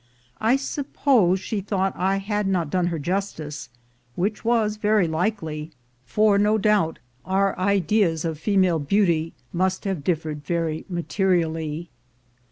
I suppose she thought I had not done her justice; which was very likely, for 134. THE GOLD HUNTERS no doubt our ideas of female beauty must have dif fered very materially.